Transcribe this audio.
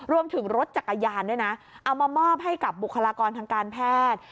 รวมถึงรถจักรยานด้วยนะเอามามอบให้กับบุคลากรทางการแพทย์